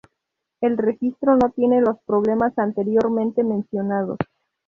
El Registro no tiene los problemas anteriormente mencionados.